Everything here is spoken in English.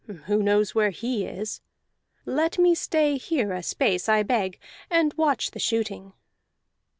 Who knows where he is? Let me stay here a space, I beg, and watch the shooting."